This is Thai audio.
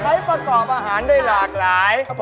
ประกอบอาหารได้หลากหลาย